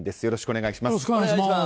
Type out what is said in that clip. よろしくお願いします。